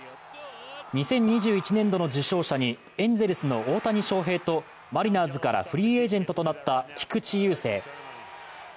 ２０２１年度の受賞者にエンゼルスの大谷翔平とマリナーズからフリーエージェントとなった菊池雄星。